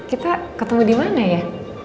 kita ketemu dimana ya